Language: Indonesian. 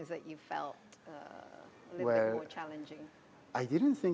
saya tidak pikir ada hal yang lebih menantang